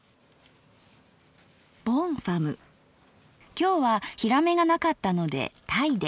今日はヒラメが無かったので鯛で。